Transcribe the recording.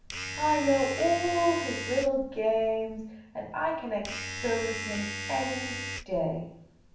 I know all his little games, and I can expose him any da}